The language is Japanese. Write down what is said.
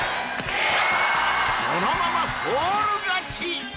そのままフォール勝ち！